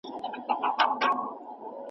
څوارلس منفي يو؛ ديارلس کېږي.